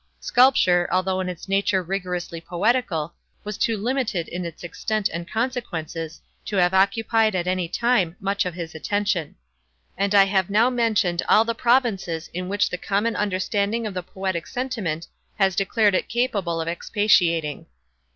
Sculpture, although in its nature rigorously poetical was too limited in its extent and consequences, to have occupied, at any time, much of his attention. And I have now mentioned all the provinces in which the common understanding of the poetic sentiment has declared it capable of expatiating.